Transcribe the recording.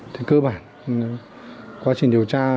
thì cơ bản quá trình điều tra